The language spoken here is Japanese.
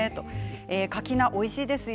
かき菜おいしいですよ。